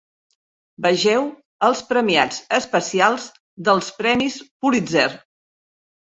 Vegeu els premiats especials dels Premis Pulitzer.